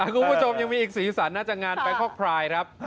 คุณผู้ชมยังมีอีกสีสันน่าจะงานไปคอกพรายครับ